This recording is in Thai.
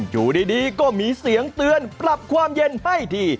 อยู่ดีก็มีเสียงเตือนปรับความเย็นให้ที